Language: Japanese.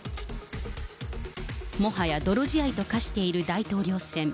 もはや泥仕合と化している大統領選。